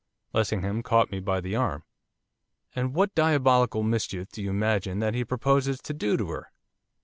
Lessingham caught me by the arm. 'And what diabolical mischief do you imagine that he proposes to do to her?